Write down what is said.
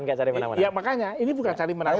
enggak cari menangan ya makanya ini bukan cari menangan